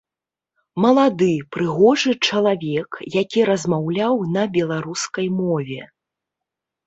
Малады, прыгожы чалавек, які размаўляў на беларускай мове.